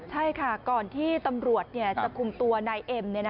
ใช่ค่ะก่อนที่ตำรวจจะคุมตัวนายเอ็ม